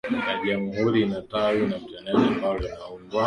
ya jamhuri Ina tawi la mtendaji ambalo linaundwa